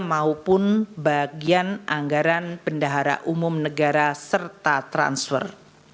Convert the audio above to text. maupun bagian anggaran bendahara umum negara serta transfer